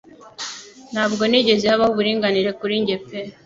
Ntabwo nigeze habaho uburinganire kuri njye pe